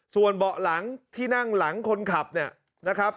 ส่วนเบาะหลังที่นั่งหลังคนขับเนี่ยนะครับ